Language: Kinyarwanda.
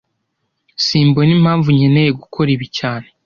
Simbona impamvu nkeneye gukora ibi cyane